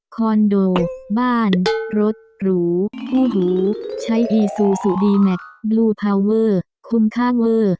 คอนโดบ้านรถหรูหู้หยูใช้อีซูซูดีแม็กซ์บลูพาวเวอร์คุ้มข้างเวอร์